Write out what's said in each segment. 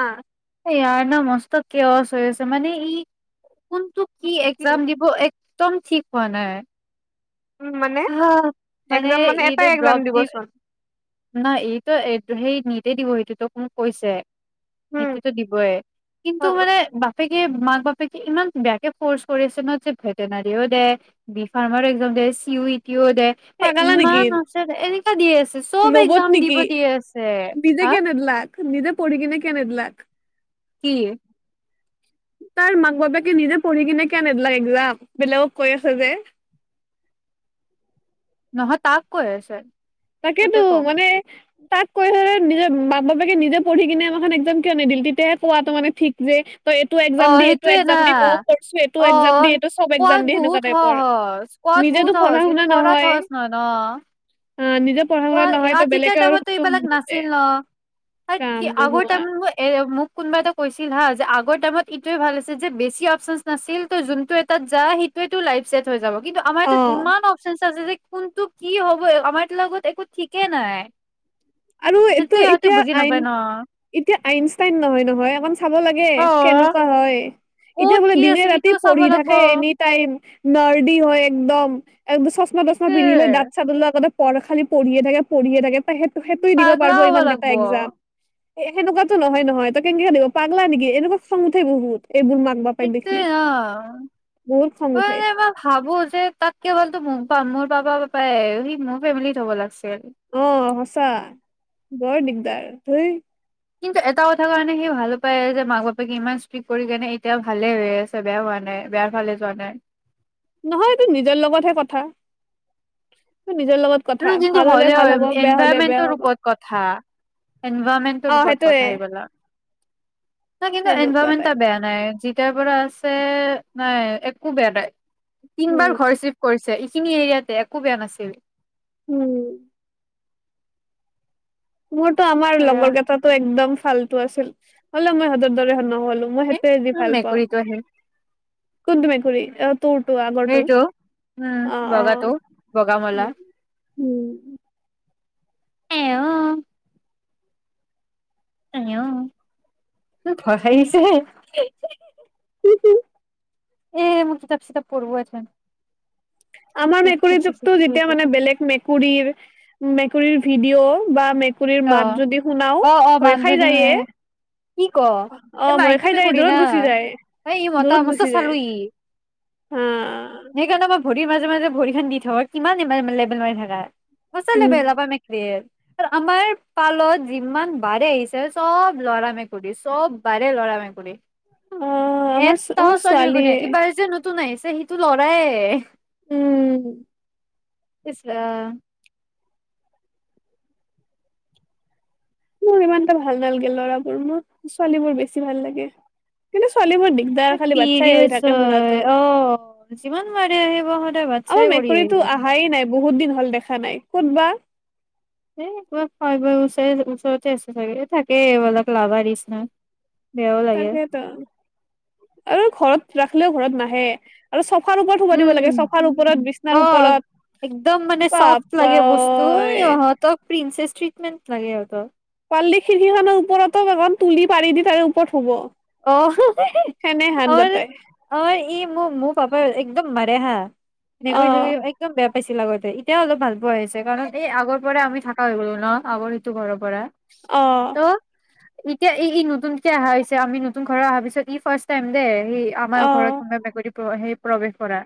অঁ! ইয়াৰ ন মস্ত কেঅচ হৈ আছে, মানে ই কোনটো কি এক্সাম দিব একদম ঠিক পোৱা নাই উম মানে হা একজাম মানে এটাই একজাম দিবচোন নাই এইটো সেই নিটেই দিব সেইটোতো মোক কৈছে। উম সেইটোতো দিবই অ কিন্তু মানে বা বাপেকে মাক বাপেকে ইমান বেয়াকে ফ'ৰ্চ কৰি আছে ন যে ভেটেনাৰীও দে বি ফাৰ্মাৰে একদম দে, চি ইউ তিয় দে, ‌ এ পাগালা নেকি ইমান আছে দে এনেকুৱা দি আছে চব এক্জাম ৰ'বত দিব নেকি, দি আছে নিজে হা কিয়া নেদলাক নিজে পঢ়ি কিনে কিয়া নেদলাক। কি? তাৰ মাক বাপেকে নিজে পঢ়ি কিনে কিয়া নেদলাক এক্জাম বেলেগক কৈ আছে যে। নহয় তাক কৈ আছে। তাকেইতো পুতেকক মানে তাক কৈ থ'লে নিজে মাপ বাপেকে নিজে পঢ়ি কিনে আমাৰখন এক্জাম কিয় নিদিল তেতিয়াহে কোৱাটো মানে ঠিক যে তই এইটো একজাম অ', দি এইটো সেইটোৱে না একজাম দি মইও কৰিছো এইটো একজাম দি অ', এইটো চব একজাম কোৱাত দি সেনেকুৱা বহুত টাইপৰ সহজ কোৱাত নিজেতো বহুত সহজ পঢ়া কিন্তু শুনা কৰাত সহজ নহয় ন'। অ', নিজে পঢ়া শুনা কোৱাত নহয় টো বেলেগৈ আৰু নহ কি আগতে আমি মই এ কোনোবা এটা কৈছিল হা যে, আগৰ টাইমত ইটোৱে ভাল আছে যে, বেছি অপচন নাছিল তই যোনটো এটাত যা সেইটোয়েটো লাইফ ছেট হৈ যাব। কিন্তু আমাৰ অ তাত ইমান অপচনচ আছে যে কোনটো কি হ'ব? আমাৰ লগত একো ঠিকেই নাই। আৰু সেইটো এইটো ইহঁতে এতিয়া বুজি নাপায় আইন ন? এতিয়া আইনষ্টাইন নহয়, নহয় [unintelligible] খাব লাগে, অ', কেনেকুৱা হয় এতিয়া ক'ত বোলে কি আছে দিনে সেইটো ৰাতি চাব পঢ়ি লাগব থাকে এনি টাইম নাৰ্দি হয়, একদম। একদম চছমা তচমা‌ সেইটোৱে। পিন্ধি লৈ দাঁত চাদ ওলোৱা আগতে পঢ় খালি, পঢ়িয়ে থাকে [unintelligible] তুই দিব পাগলা পাৰব, হ'ব ইমান কেটা লাগব একজাম। এ সেনেকুৱাতো নহয়, নহয় [unintelligible] দিব পাগলা নেকি এনেকুৱা খং উঠে বহুত। এইবোৰ মাক বাপেক দেখি। সেইটোৱে অ', বহুত খং মই, উঠে মই ভাবো যে, [unintelligible] পাপা, পাপা এ সি মোৰ ফেমিলিত হ'ব লাগছিল অ', সঁচা বৰ দিগদাৰ ধেই কিন্তু এটা কথা কাৰণে সি ভাল পায় যে, মাক বাপেকে ইমান ষ্ট্ৰিক কৰি কেনে এতিয়া ভালে হৈ আছে বেয়া হোৱা নাই বোৰ ফালে যোৱা নাই। নহয়, তো নিজৰ লগতহে কথা। নিজৰ লগত কথা ন' যন্তু ভাল হ'লে ভাল হ'ব বেয়া হলে বেয়া এনভাইৰমেন্টৰ হ'ব ওপৰত কথা অ এনভাইৰনমেন্টৰ ওপৰত সেইটোয়ে কথা এইবেলা। ন' কিন্তু সেনেকুৱা এনভাইৰমেট এটা টাইপ বেয়া নাই। এতিয়াৰ পৰা আছে, নাই একো বেয়া নাই। তিন বাৰ উম ঘৰ চিফ কৰি এইখিনি এৰিয়াতে একো বেয়া নাছিল। উম। মোৰতো আমাৰ এয়া লগৰ কেইটাটো একদম ভালটো আছিল হ'লে মই সিহঁতৰ দৰে নহ'ল মই সেইটোৱে আজি ভাল পাওঁ। মেকুৰীটো আহিল কোনটো মেকুৰী অ'? তোৰতো আগৰটো ভেইটো উম, অ অ বগাটো বগা মলা। উম। এও এঅ ভয় খাই গিছে। এ মোৰ কিতাপ চিতাপ প'ৰব' এথেন। আমাৰ মেকুৰীটোকটো যেতিয়া মানে বেলেগ মেকুৰী কুৰীৰ ভিডিঅ' বা মেক কুৰীৰ অ মাত যদি শুনাও অ অ ভয় খাই মানজনী হয় যায়ে, কি ক এই অ', ভয় মাইকী খাই যায়, মেকুৰী না দূৰত গুচি যায়, এই ই মতা দূৰত মস্ত গুচি চালো যায় ই হা। সেইকাৰণে মই ভৰিৰ মাজে মাজে ভৰিখন দি থয়, কিমান ইমান লেবেল মাৰি থাকা? [inaudible] উম আমাৰ পালত যিমান বাৰে আহিছে, চব ল'ৰা মেকুৰী, চব বাৰে ল'ৰা মেকুৰী! অ', আমাৰ ছ আমাৰ ছোৱালীৱে। তুন‌ আহিছে, সিটো লৰাৱেই। উম [inaudible] মোৰ ইমান এটা ভাল নালাগে লৰাবোৰ, মোৰ ছোৱালী বোৰ বেছি ভাল লাগে। ছোৱালীবোৰ দিগদাৰ খালি বাচ্ছাই হৈ থাকে মুৰাটো। ! ! ! ! ! ! ! ! ! ! ভাল দেখা নাই, ক'তবা? [inaudible] লাগে। তাকেতো, আৰু ঘৰত ৰাখ এনেও ঘৰত নাহে, আৰু চফ উম, উম, অ', ওপৰত একদম মানে চফ্ট বাপ্পা লাগে বস্তু, ঐ। ইহঁতক প্ৰিন্সেছ ট্ৰিটমেণ্ট লাগে আকৌ পাৰ্লী খিৰকীখনৰ ওপৰতো এখন তুলি পাৰি দি, তাৰে ওপৰত শুব অ, সেনে হান অ, গটাই। অ, ই মোক, মোৰ পাপাও, একদম মা [inaudible] মেকুৰী চেকুৰী অ', একদম বেয়া পাইছিল আগতে এতিয়া অলপ ভাল পোৱা হৈছে কাৰণ এই আগৰ পৰা আমি থাকা হৈ গ'লো ন' আগৰ ইটো ঘৰৰ পৰা। অ'। ত' এতিয়া ই নতুনকে অহা হৈছে আমি ন' তু ঘৰ অহাৰ পিছত ই ফাৰ্ষ্ট টাইম দে। সেই আমাৰ ঘৰত অ', কোনবা মেকুৰী সেই প্ৰৱেশ কৰা।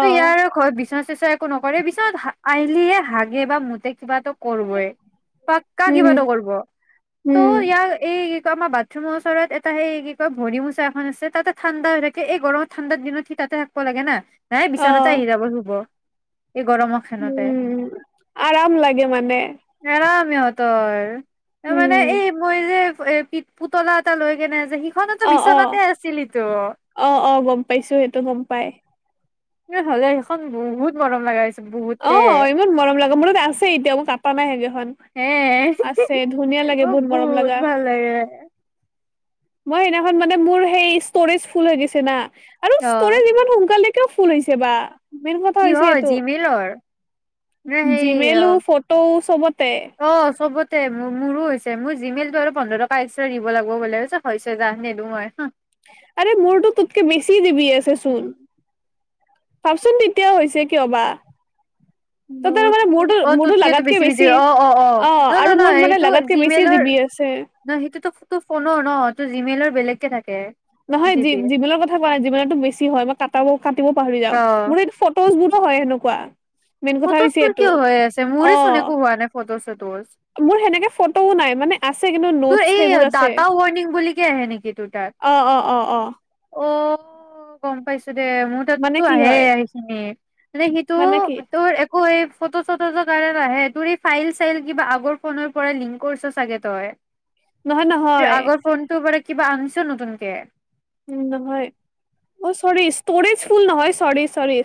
ত' ইয়াৰ ঘৰ পিনা চিচ একো নকৰে পিছত আইলিহে হাগে বা মুতে। কিবাটো কৰিবই পাক্কা উম, কিবাটো কৰব ত' উম। ইয়াৰ এই আমাৰ বাথৰুমৰ ওচৰত তা সেই কি কয় ভৰি মোচা এখন আছে তাতে ঠাণ্ডা হৈ থাকে এই গৰমত ঠাণ্ডাৰ দিনত সি তাতে থাকিব লাগে না নাই অ বিচনাতে আহি যাব শুব। এই গৰমৰ খানতে উম আৰাম লাগে মানে এৰাম সিহঁতৰ। তাৰ মানে উম এই মই যে এই পি পুতলা এটা লৈ কেনে যে সিখনতো অ', বিচনাতে অ', আছিল ইটো অ', অ', গম পাইছো, সেইটো গম পায়। এ, [unintelligible] খন বহুত মৰম লগা হৈছি অ', ইমান মৰম লাগা, মোৰ তাত আছেই এতিয়া মোৰ কাটা নাই সেইকেইখন। হে আছেই, ধুনীয়া লাগে মোক বহুত মৰম লাগা। ভাল লাগে মই সেইদিনাখন মানে মোৰ সেই ষ্টৰেজ ফুল হৈ গৈছে না আৰু অ ষ্টৰেজ ইমান সোনকালে কিয় ফুল হৈছে বা? কিহৰ জি মেইলৰ? জি মেইলো, ফটো চবতে। তে মো-মোৰো হৈছে, মোৰ জিমেইল টো আৰু পোন্ধৰ টকা এক্সট্ৰা দিব লাগিব বোলে, হৈছে যাহ নিদিওঁ মই। আৰে মোৰটো তোতকে বেছি জিবি আছে চোন, ভাবচোন তেতিয়া হৈছে কিয় বা? ত তাৰ মানে মোৰতো অ', মোৰতো তোকেটো লাগাতকে বেছি বিজি অ', অ', অ', নহ, আৰু নহ মোৰ মানে এইটো লাগাতকে বেছি জিমেইলৰ জিবি আছে নহ, সেইটোতোটো ফোনৰ ন? ত জিমেইলৰ বেলেগকে থাক কে নহয় জী, জীমেইলৰ কথা কোৱা নাই জী মেইলটো বেছি হয়, মই কাটাব কাটিব পাহৰি যাওঁ, অ মোৰ ফটোজ বোৰতো হয়, হেনো কোৱা মেইন কথা হৈছে ফটোজবোৰ এইটো। কিয় হৈ আছে মোৰে চোন অ', একো হোৱা নাই ফটোজ চটোজ মোৰ সেনেকে ফটোও নাই মানে আছে কিন্তু তোৰ নোটছ এই সেইবোৰ আছে ডাটা ৱাৰ্নিং বুলি কি আহে নেকি তোৰ তাত? অ'-অ'-অ'-অ'। অ', গম পাইছোঁ। দে! মোৰ মানে তাতটো কি আহেই হয় এইখিনি। [unintelligible] নে সিটো মানে কি তোৰ একোৱেই ফটো-চটো [unintelligible] কাৰণে নাহে। তোৰ এই ফাইল-চাইল কিবা আগৰ ফোনৰ পৰাই লিংক কৰিছ চাগে তই। নহয় [unintelligible] নহয় আগৰ ফোনটোৰ পৰা কিবা আ [unintelligible] নতুনকে উম, নহয়! অ' ছ'ৰি ষ্ট'ৰেজ ফুল নহয়, ছ'ৰি-ছ'ৰি।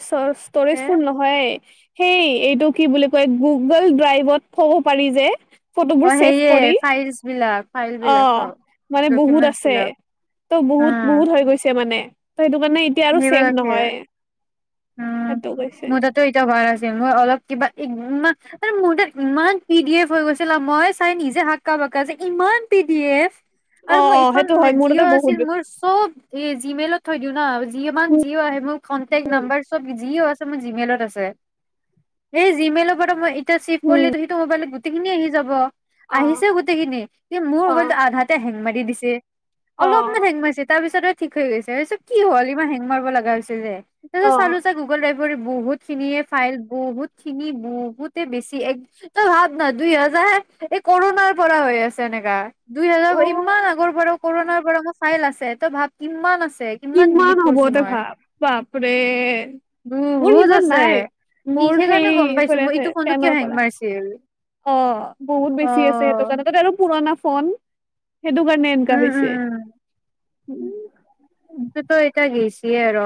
তে ষ্ট'ৰেজ ফুল নহ'য়েই [unintelligible] সেই এইটো কি বুলি কয়! গুগল ড্ৰাইভত থব পাৰি যে। ফটোবোৰ অ', ছেভ সেয়ে কৰি ফাইলচ বিলাক। ফাইল বিলাক অ' চব মানে বহুত ডকুমেন্টচ আছে। বিলাক ত' উম বহুত-বহুত হৈ গৈছে মানে। ত' সেইটো কাৰণে এতিয়া আৰু ছেভ সেইবিলাকে নহয়। উম, সেইটো কৈছে মোৰ তাতটো এতিয়া ভৰা [unintelligible] আছিল। মোৰ অলপ কিবা [unintelligible] আৰু মোৰ তাত ইমান পি ডি এফ হৈ গৈছিল ন, ‌মই চাই নিজে হাক্কা-বাক্কা যে ইমান পি ডি এফ অ আৰু মোৰ অ এইখন সেইটো হয় মোৰ তাতে জিঅ' বহুত আছিল মোৰ চব এই জিমেইলত থৈ দিওঁ না, যিমান উম যিও' আহে মোৰ কন্টেক্ট নাম্বাৰ চব যিও আছে মোৰ জিমেইলত আছে। সেই জিমেইলৰ পৰা মই তে চিফ হম কৰিলেতো সিটো মোবাইলত গোট গোটেইখিনি আহি যাব অ আহিছেই গোটেই খিনি, কি মোৰ ম'বাইলতো আধাতে হেং মাৰি দি দিছে অ অলপমান হেং মাৰছে, তাৰপিছতে ঠিক হৈ গৈছে, ভাইছোঁ কি হ'ল ইমান হেং মাৰবা লাগা হৈছে যে অ অ [unintelligible] গুগল ড্ৰাইভ বহুত খিনিয়ে ফাইল, বহুত খিনি, বহুতে বেছি, এক তই ভাৱ না, দুই হাজাৰ এই কৰোণাৰ পৰা হৈ আছে এনেকা দুই হাজাৰ অ ইমান আগৰ পৰা কৰণাৰ পৰা মোৰ ফাইল আছে তে, তই ভাৱ কিমান আছ কিমান হ'ব তই ভাব, বাপৰে মোৰ বহুত সিমান আছে, নাই ই মোৰ সেই সেইকাৰণে গম পাইছোঁ মোৰ ইটো ফোনটো টেনৰ কিয় পৰা হেং মাৰছিল অ', বহুত বেছি আছে সেইটোকাৰণে আৰু পুৰণা ফোন সেইটো কাৰণে এনকা উম উম হৈছে। উম। তে তো এইটা গৈছি আৰ।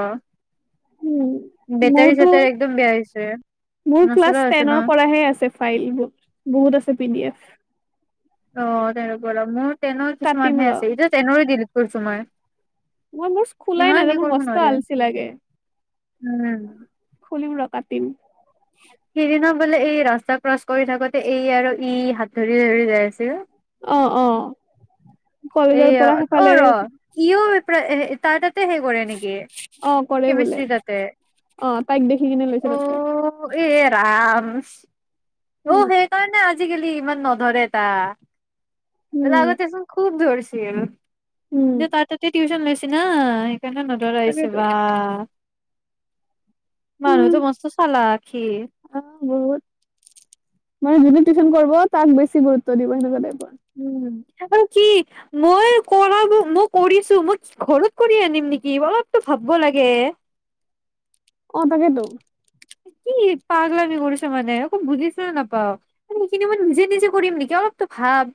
উম, মোৰতো বেয়া হৈছে মোৰ ক্লাছ নচলা হৈছে ন টেনৰ পৰাহে আছে ফাইল বহুত আছে পি ডি এফ। অ' [unintelligible] মোৰ টেনৰ কাটিম কিছুমানহে ৰ আছে এতিয়াটো টেনৰো ডিলিট কৈছো মই। মই [unintelligible] খোলাই ইমান হে নাযায় মোৰ কৰিব মষ্ট নোৱাৰে আলচি লাগে, উম খুলিম ৰ'। পাতিম। সেদিনা বোলে এই ৰাস্তা ক্ৰচ কৰি থাকোতে এই আৰু ই হাত ধৰি ধৰি যায় আছে। অ অ'। এ কলেজৰ পৰা সেইফালে অ', ৰ' ইয়ো [unintelligible] তাৰতাত তে সেই কৰে নেকি অ কৰে বোলে কেমিষ্ট্ৰি তাতে অ তাইক দেখি কিনে লৈছে তাতে অ', এ, ৰাম। অ', উম সেইকাৰণে আ আজিকালি ইমান নধৰে টা এনে উম আগতেচোন খুব ধৰ চিল। উম মে তাৰ তাতে টিউচন লৈচ তেনা কেনে নধৰা আহিছে তাকেইতো বা। মানুহটো মস্ত চালাক। সি অহ, বহুত মান যুনি টিউচন কৰিব তাক বেছি গুৰুত্ব দিব সেনেকুৱা টাইপৰ। উম, আৰু কি মই কৰা মই কৰিছো মই ঘৰত কৰি আনিম নেকি অলপতো ভাবব লাগে। অ', তাকেইটো। কি পাগলামি কৰিছ' মানে অকৌ বুজিছো নাপাওঁ মানে সেইখিনি মই নিজে নিজে কৰিম নেকি অলপতো ভাব।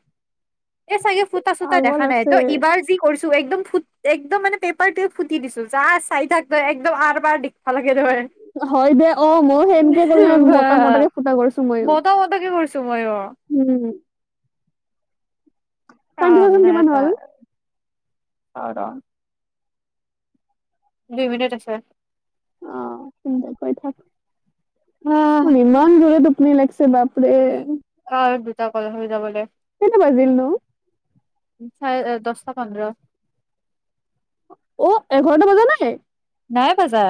এ চাগে ফুটা চুটা পাগল দেখা নাই ত' আছে এইবাৰ যি কৰিছ'- একদম ফুট একদম মানে পেপাৰটোৱে ফুটি দিছো যা চাই থাক একদম আৰ বাৰ দেখা লাগ হয় দে। অ', ময়ো সেনেকে কৰি মতা মতাকে ফুটা কৰিছো ময়ো। [inaudible] তুময়ো। উম টাইমটো চাচোন কিমান হ'ল? অ', ৰ'। দুই মিনিট আছে। অ', চিন্তা কৰি থাক আহ মোৰ ইমান জোৰে টুপ নে লাগিছে বাপৰে। অ', দুটা কল হৈ যাবদে। কেনেয়া বজিল ন চাৰে দশটা পন্দৰ অ এঘাৰটা বজা নাই নাই বাজা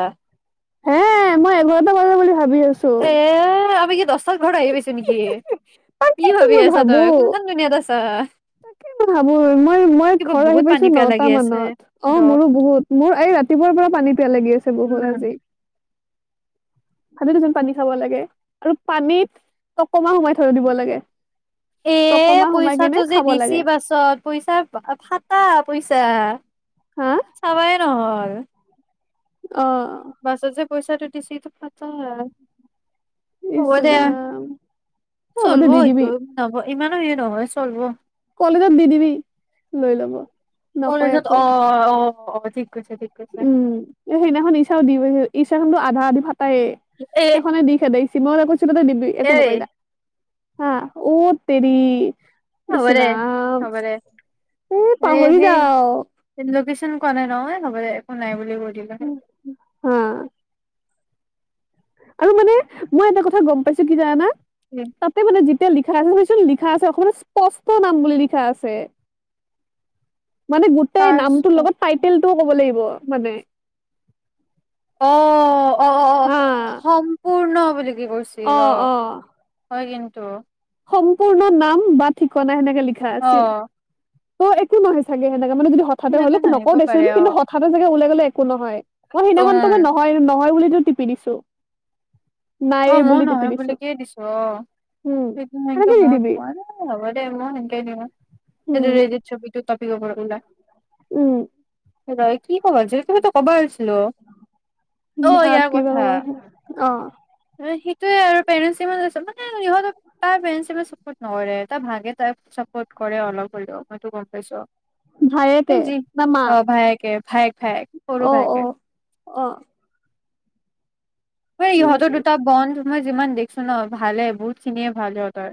হ মই এঘৰতে বজা বুলিছো এ কি দ তাকেইো ভাবি মই আছা ভাবো তই কোনখন দুুনীয়াত আছা তাকেই মই ভাবো মই মই কিবা ঘৰ আহি বহুত পাইছো পানী পিয়াহ নটা লাগি আছে মানত অ ৰ মোৰো বহুত মোৰ এই ৰাতিপুৱাৰ পৰা পানী পিয়া লাগি আছে বহুত উম আজি ভাত দু যে পানী খাব লাগে আৰু পানীত টকমা সোমাই থৈ দিব লাগে এ টকমা সোমাই কেনে পইচাটো যে খাব দিছি লাগে বাছত পইচা ফটা পইচা হা চাবাই নহয় উ অ' বছ আজছে পইচাটো দিছিটো পাত হ ইছৰাম হ চলব বতে দি এইটো দিবি নব ইমানো স নহয় চলব কলে যাম দি দিবি লৈ লব নকয় কলেজত একো অ' অ' অঠিক উম সেইদিনাখন ইঈচাও দি ইঈচা খনটো আধা আধিাত ফটা তায়ে এ সেইখনে দিশ খেদ চি ম তে দিবি একো এই নকৈ যা হ ওত্তৰি হ'ব দে ইছৰাম হ'ব দে এ পাহৰি যাও লোকেশ্যন কোৱা নাই নহয় ন'বলে একো নাই বুলি ব [inaudible] হা আৰু মানে মই এটা কথা গম পাইছো কি জানা তাতে মোনে জি এতিয়া লিখা আছে ভুাবিছো লিখা আছে অসমত স্পষ্ট নাম বুলি লিখা আছে মানে গোটেই নামটোৰ লগত টাইটেল টোও ক'ব লাগিব মানে অ' অ'অ' হা সম্পূৰ্ণ বুলি কি কৰিছিল অ হয় কিন্তু [unintelligible] সম্পূৰ্ণ নাম বা ঠিকনা সেনেকে লিখা অ আছিল অ', একো নহয় চাগে। সনে মানে যদি হঠাতে সেনেকে হ'লো নাহিব নকওঁ পাৰে দেচোন অ কিন্তু হঠাতে জে লাই গ'লে একো নহয় মই সেইদিনাখনো উম মই নহয় নহয় বুলি তিপি দিছো। নাই অ', ময়ো নহয় বুলিকেই দিছো অ', উম সেই সেকে সেনেকে দি মই দিবি কোৱা ন' হ'ব দেই মই সেনকেই দিওঁ সেইটো উম ৰেজিত ছবি তোত [unintelligible] উম [unintelligible] অ ভাব ইয়াৰ কিবা ক'ব কথা লাগে। অ সেইটোয়ে আৰু পেৰেণ্ মানে ইহ তাৰ পেৰেন্ ইমান চাপৰ্ট নকৰে তাৰ ভাগে তাই চাপৰ্ট কৰে অলপ হ'লেও মইতো গম পাইছো ভায়েকে জি না মাক অ ভায়েকে ভায়েক ভায়েক সৰু অ অ ভাইকে অ ম উম ইহঁতৰ দুটা বন্ধ মই যিমান দেখছো ন ভালে বহুত খিনিয়ে ভাল হতৰ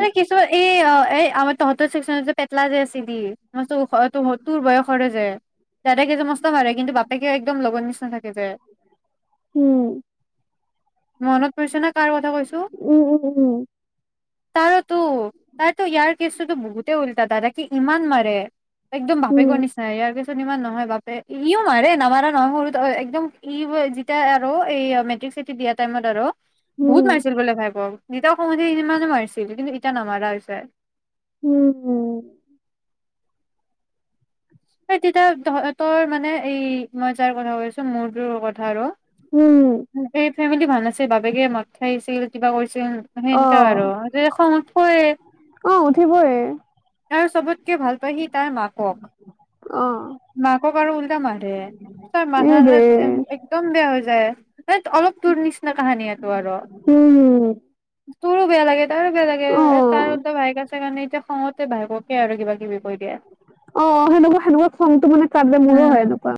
ম কিছুমান এই অ এই আমাৰ তহঁতৰ চে্চনত যে পটলা যে আছে ম তোৰ বয়সৰে যে দাদাকে যে মস্ত মাৰে কিন্তু বাপেকেও একদম লগৰ নিচিনা থাকে যে উম মনত পৰিছে নে কাৰ কথা কৈছো উম উম উম তাৰ তো তাৰতো ইয়াৰ ছুতো বহুতে উলটা দাদা কি ইমান মাৰে একদম উম বাপেকৰ নিচা ইয়াৰছ মান নহয় বাপে ইও মাৰে নামাৰা নহয় সৰুত একদম ই যেতিয়া আৰু এই মেট্ৰিক চিটি দিয়া টাইমত আৰু উম বহুত মাৰিছিল বোলে ভাই প দতা সমধি িনমানে মাৰিছিল কিন্তু এতিয়া নামাৰা হৈছে উম এই তেতিয়া তহ তৰ মানে, এই মই যাৰ কথা কৈছোঁ মোৰটোৰ কথা আৰু উম ফেমিলি ভাল আছে, বাপেকে মদ খাই‌ আছিল, কিবা কৰিছ ছিল, মানে অ এনেকা আৰু, যে খং উঠবই, অ উঠিবয়ে আৰ চবতকে ভাল পায় সি তাৰ মাকক অ'। মাকক আৰু উল্টা মাৰে। তাৰ এই মাথাটো ৰে একদম বেয়া হৈ যায়। এই অলপ তোৰ নিচিনা কাহানি এইটো আৰু। উম, তোৰো বেয়া লাগে, তাৰো বেয়া লাগে, অ', তাৰোতো ভায়েক আছে কাৰণে তে খঙত তে বায়েককে আৰু কিবা কিবি কৈ দিয়ে। অ', সেনেকুৱা [unintelligible] হয় উম এনেকুৱা।